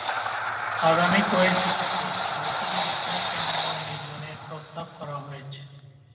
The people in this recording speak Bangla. আগামী কয়েক দশকে ছয়টি নতুন কেন্দ্র নির্মাণের প্রস্তাব করা হয়েছে।